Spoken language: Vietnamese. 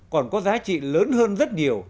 còn có giá trị lớn hơn rất nhiều